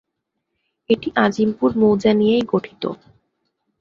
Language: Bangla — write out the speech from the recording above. এটি "আজিমপুর" মৌজা নিয়েই গঠিত।